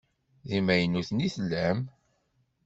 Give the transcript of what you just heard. D imaynuten i tellam?